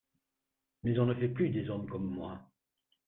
Mais on ne fait plus des hommes comme moi.